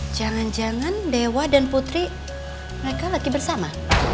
jangan jangan dewa dan putri mereka lagi bersama